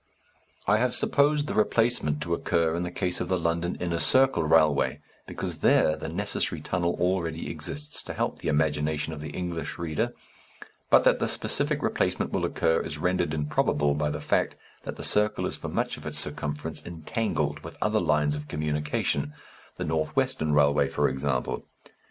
I have supposed the replacement to occur in the case of the London Inner Circle Railway, because there the necessary tunnel already exists to help the imagination of the English reader, but that the specific replacement will occur is rendered improbable by the fact that the circle is for much of its circumference entangled with other lines of communication the North Western Railway, for example.